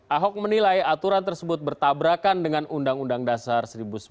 ahok menilai aturan tersebut bertabrakan dengan undang undang dasar seribu sembilan ratus empat puluh lima